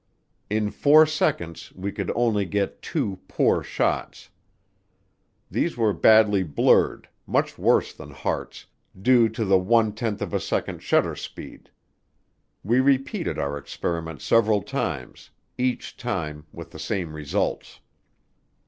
In four seconds we could get only two poor shots. These were badly blurred, much worse than Hart's, due to the one tenth of a second shutter speed. We repeated our experiment several times, each time with the same results.